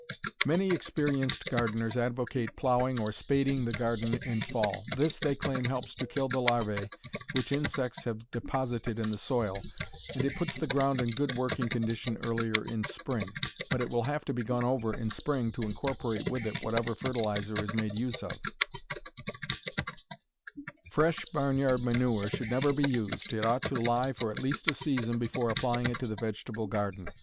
Many experienced gardeners advocate plowing or spading the garden in fall. This, they claim, helps to kill the larvæ which insects have deposited in the soil, and it puts the ground in good working condition earlier in spring. But it will have to be gone over in spring to incorporate with it whatever fertilizer is made use of. Fresh barn yard manure should never be used. It ought to lie for at least a season before applying it to the vegetable garden.